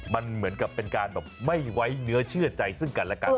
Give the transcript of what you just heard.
มันเหมือนกับเป็นการแบบไม่ไว้เนื้อเชื่อใจซึ่งกันและกัน